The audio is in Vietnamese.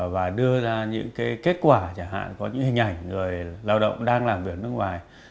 và đưa ra những kết quả chẳng hạn có những hình ảnh người lao động đang làm việc ở nước ngoài